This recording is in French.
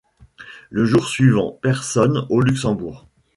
Le jour suivant, personne au Luxembourg.